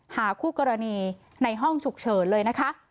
หาคู่กรณีในห้องฉุกเฉินเลยนะคะ